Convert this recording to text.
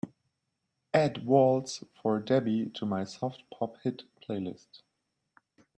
Add Waltz for Debby to my Soft Pop Hits playlist.